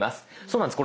そうなんです。